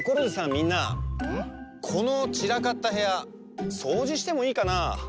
みんなこのちらかったへやそうじしてもいいかな？